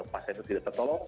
pasien itu tidak tertolong